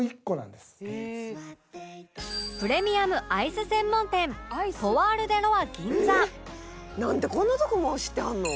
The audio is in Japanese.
プレミアムアイス専門店「なんでこんなとこも知ってはるの？」